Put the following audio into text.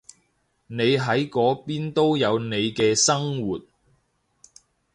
你喺嗰邊都有你嘅生活